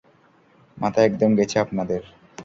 মাথা একদম গেছে আপনাদের!